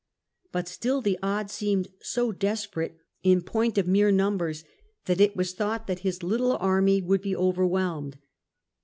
But still the odds seemed so desperate, in point of mere numbers, that it was thought that his little army would be overwhelmed.